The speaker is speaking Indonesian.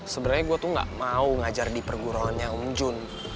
sebenarnya gue tuh nggak mau ngajar di perguruannya om jun